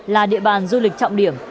là địa bàn du lịch trọng điểm